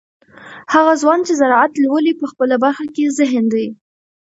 هغه ځوان چې زراعت لولي په خپله برخه کې ذهین دی.